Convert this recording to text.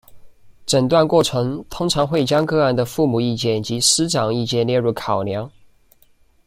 诊断过程通常会将个案的父母意见及师长意见列入考量。